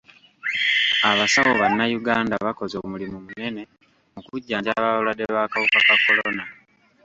Abasawo bannayuganda bakoze omulimu munene mu kujjanjaba abalwadde b'akawuka ka kolona.